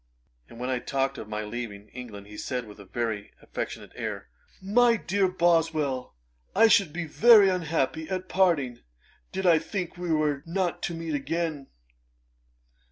And when I talked of my leaving England, he said with a very affectionate air, 'My dear Boswell, I should be very unhappy at parting, did I think we were not to meet again.'